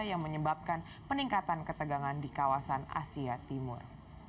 yang menyebabkan peningkatan ketegangan di kawasan asia timur